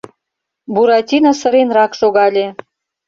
Буратино сыренрак шогале: